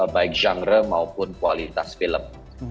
baik genre maupun kualitas film